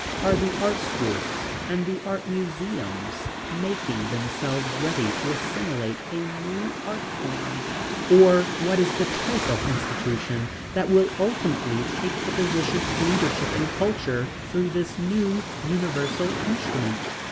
Are the art schools and the art museums making themselves ready to assimilate a new art form? Or what is the type of institution that will ultimately take the position of leadership in culture through this new universal instrument?